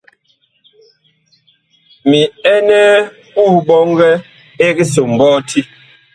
Mi ɛnɛɛ puh ɓɔngɛ ɛg so mɓɔti.